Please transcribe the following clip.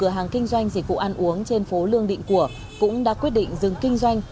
cửa hàng kinh doanh dịch vụ ăn uống trên phố lương định của cũng đã quyết định dừng kinh doanh